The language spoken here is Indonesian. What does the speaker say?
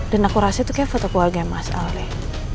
dan aku rasa itu kayak foto keluarga mas al deh